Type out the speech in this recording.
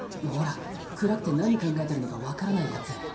ほら暗くて何考えてるのか分からないヤツ